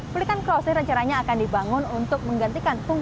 pelikan crossing rencananya akan dibangun untuk menggantikan